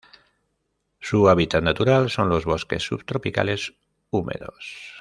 Su hábitat natural son los bosques subtropicales húmedos.